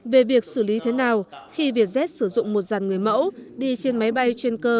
về việc xử lý thế nào khi vietjet sử dụng một dàn người mẫu đi trên máy bay chuyên cơ